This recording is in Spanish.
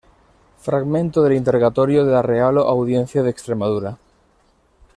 Fragmento del Interrogatorio de la Real Audiencia de Extremadura.